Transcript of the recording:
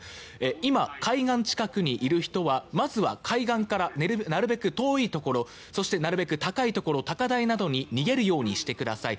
今、海岸近くにいる人はまずは海岸からなるべく遠いところそしてなるべく高いところ高台などに逃げるようにしてください。